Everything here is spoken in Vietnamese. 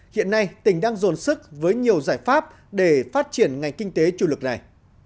hiện nay tỉnh đang dồn sức với nhiều giải pháp để phát triển ngành kinh tế chủ lực này